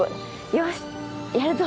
よしやるぞ！